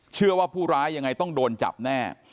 เชื่อว่าผู้ร้ายยังไงต้องโดนจับแน่